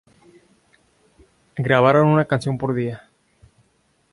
Grabaron una canción por día.